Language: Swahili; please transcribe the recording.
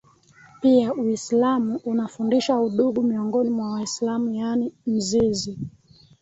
Pia Uislamu unafundisha udugu miongoni mwa Waislamu yaani mzizi